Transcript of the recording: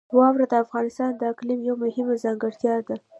واوره د افغانستان د اقلیم یوه مهمه ځانګړتیا ده.